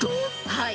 はい。